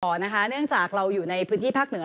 นะคะเนื่องจากเราอยู่ในพื้นที่ภาคเหนือ